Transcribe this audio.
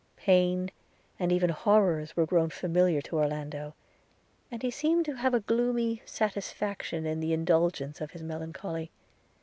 Pain, and even horrors, were grown familiar to Orlando; and he seemed to have a gloomy satisfaction in the indulgence of his melancholy.